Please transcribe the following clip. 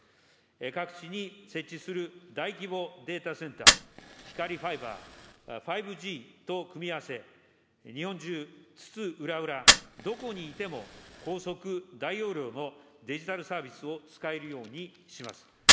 各地に設置する大規模データセンター、光ファイバー、５Ｇと組み合わせ、日本中、津々浦々どこにいても高速大容量のデジタルサービスを使えるようにします。